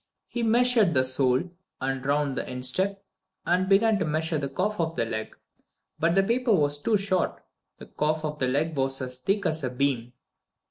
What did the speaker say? He measured the sole, and round the instep, and began to measure the calf of the leg, but the paper was too short. The calf of the leg was as thick as a beam.